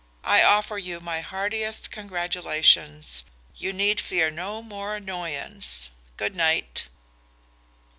I offer you my heartiest congratulations. You need fear no more annoyance. Good night!"